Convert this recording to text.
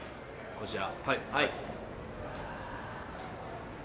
こちら。